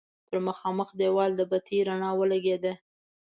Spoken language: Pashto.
پر مخامخ دېوال د بتۍ رڼا ولګېده.